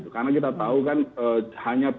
karena kita tahu kan hanya